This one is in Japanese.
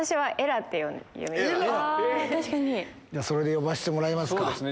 それで呼ばせてもらいますか。